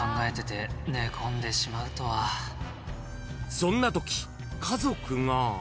［そんなとき家族が］